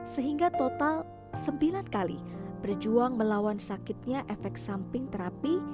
sehingga total sembilan kali berjuang melawan sakitnya efek samping terapi